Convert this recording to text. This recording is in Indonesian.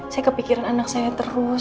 saya kepikiran anak saya terus